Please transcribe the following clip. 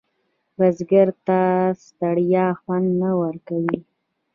بزګر ته ستړیا خوند نه ورکوي